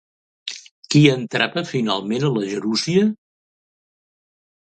Qui entrava finalment a la gerúsia?